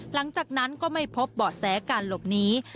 หลังจากนั้นก็ไม่พบเบาะแสการหลบหนี